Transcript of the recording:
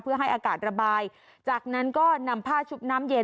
เพื่อให้อากาศระบายจากนั้นก็นำผ้าชุบน้ำเย็น